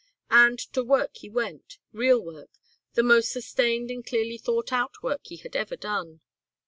And to work he went, real work, the most sustained and clearly thought out work he had done.